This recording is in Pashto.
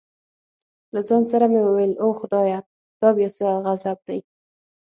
له ځان سره مې وویل اوه خدایه دا بیا څه غضب دی.